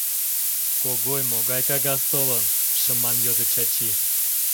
— Когой, могай кагаз толын? — шыман йодо Чачи.